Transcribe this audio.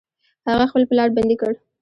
هغه خپل پلار بندي کړ.